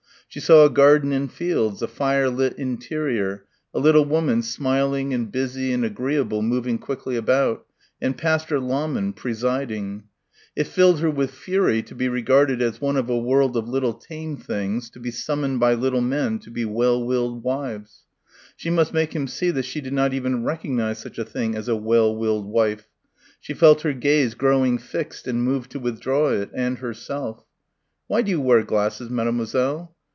She saw a garden and fields, a firelit interior, a little woman smiling and busy and agreeable moving quickly about ... and Pastor Lahmann presiding. It filled her with fury to be regarded as one of a world of little tame things to be summoned by little men to be well willed wives. She must make him see that she did not even recognise such a thing as "a well willed wife." She felt her gaze growing fixed and moved to withdraw it and herself. "Why do you wear glasses, mademoiselle?"